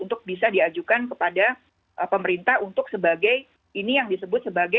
untuk bisa diajukan kepada pemerintah untuk sebagai ini yang disebut sebagai